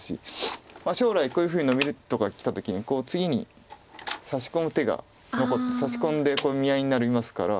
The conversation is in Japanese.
将来こういうふうにノビとかきた時に次にサシ込む手がサシ込んで見合いになりますから。